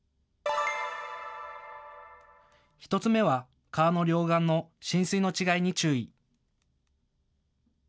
１つ目は川の両岸の浸水の違いに注意！